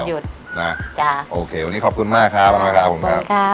วันนี้ขอบคุณมากครับป้าน้อยครับ